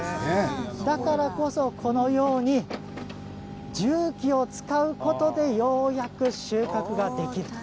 だからこそ、このように重機を使うことでようやく収穫ができると。